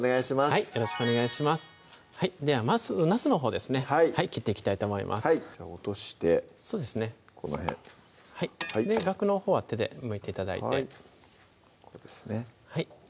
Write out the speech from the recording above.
はいよろしくお願いしますではまずなすのほうですね切っていきたいと思います落としてこの辺がくのほうは手でむいて頂いてはいこうですね